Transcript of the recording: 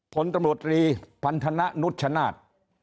ผลตำรวจรีพันธนะนุชชนาธิ์